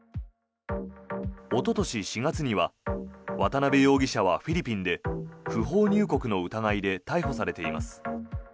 おととし４月には渡邉容疑者はフィリピンで不法入国の疑いで逮捕されています。